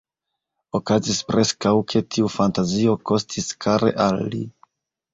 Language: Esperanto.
Okazis preskaŭ, ke tiu fantazio kostis kare al li.